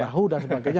perahu dan sebagainya